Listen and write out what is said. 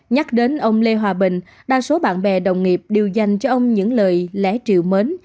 nhắc đến ông lê hòa bình đa số bạn bè đồng nghiệp đều dành cho ông những lời lẽ triệu mến